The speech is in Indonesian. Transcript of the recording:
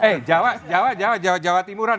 eh jawa jawa timuran